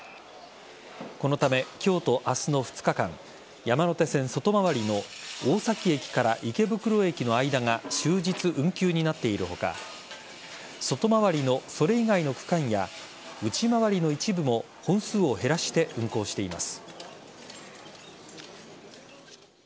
このため、今日と明日の２日間山手線外回りの大崎駅から池袋駅の間が終日運休になっている他外回りのそれ以外の区間や内回りの一部も本数を減らして運行しています。